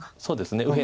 そうですね。